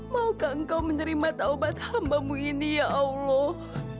maukah engkau menerima taubat hamba ibu ini ya allah